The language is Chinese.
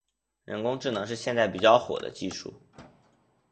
人工智能是现在比较火的技术。